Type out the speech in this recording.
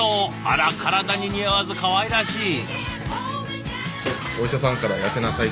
あら体に似合わずかわいらしい。